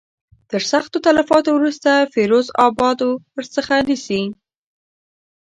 تر سختو تلفاتو وروسته فیروز آباد ورڅخه نیسي.